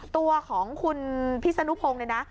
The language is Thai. ตัวของคุณพิศนุพงศ์เนี่ยนะ